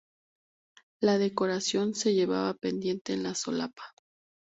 La decoración se llevaba pendiente en la solapa.